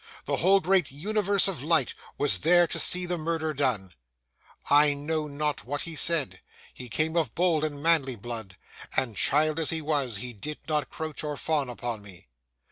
The whole great universe of light was there to see the murder done. I know not what he said; he came of bold and manly blood, and, child as he was, he did not crouch or fawn upon me.